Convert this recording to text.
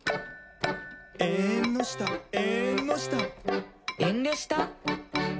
「えんのしたえんのした」「えんりょした？」